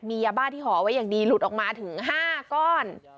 มียาบ้าที่ห่อไว้อย่างดีหลุดออกมาถึง๕ก้อน